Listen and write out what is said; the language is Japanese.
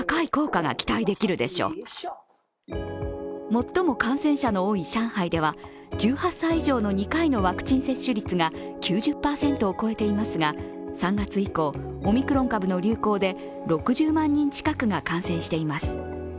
最も感染者の多い上海では１８歳以上の２回のワクチン接種率が９０％を超えていますが、３月以降オミクロン株の流行で６０万人近くが感染しています。